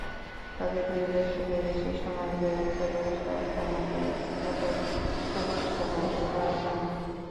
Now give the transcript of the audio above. তবে দুই দশকের বেশি সময় ধরে চলে আসা সমাধিস্থলের স্মরণসভা এবার হয়নি।